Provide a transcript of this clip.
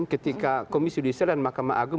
ketika komisi judisial dan mahkamah agung